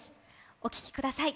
お聴きください。